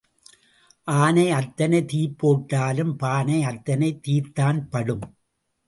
ஆனை அத்தனை தீப்போட்டாலும் பானையத்தனை தீத்தான்படும்.